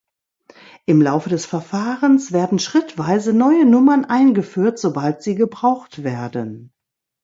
Im Laufe des Verfahrens werden schrittweise neue Nummern eingeführt, sobald sie gebraucht werden.